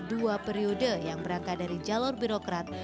dua periode yang berangkat dari jalur birokrat